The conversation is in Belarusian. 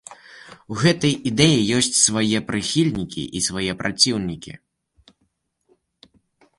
У гэтай ідэі ёсць свае прыхільнікі і свае праціўнікі.